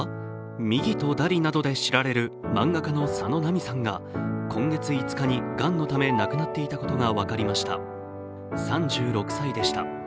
「ミギとダリ」などで知られる漫画家の佐野菜見さんが今月５日にがんのため亡くなっていたことが分かりました、３６歳でした。